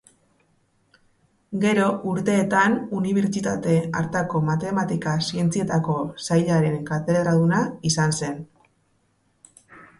Gero, urteetan, Unibertsitate hartako Matematika Zientzietako Sailaren katedraduna izan zen.